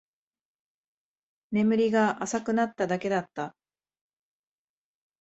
眠りが浅くなっただけだった